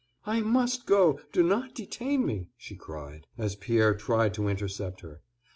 "I must go, do not detain me," she cried, as Pierre tried to intercept her.